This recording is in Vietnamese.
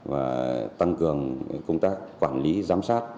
và tăng cường công tác quản lý giám sát